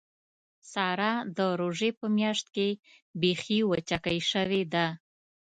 ساره د روژې په میاشت کې بیخي وچکۍ شوې ده.